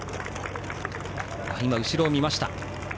後ろを見ました。